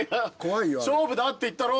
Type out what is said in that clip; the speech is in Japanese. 勝負だって言ったろ？